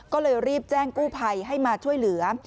ก็เลยรีบแจ้งกู้ภัยให้มาช่วยเหลือ